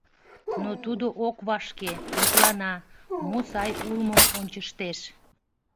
Но тудо ок вашке, мутлана, мо сай улмым ончыштеш.